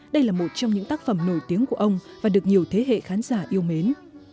đây là một trong những tác phẩm nổi tiếng của ông và được nhiều thế hệ khán giả yêu mến